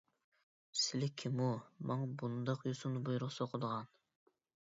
سىلى كىمۇ، ماڭا بۇنداق يوسۇندا بۇيرۇق سوقىدىغان؟